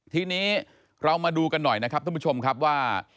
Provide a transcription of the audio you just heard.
ทีนี้เรามาดูกันหน่อยนะครับท่านผู้ชมครับว่า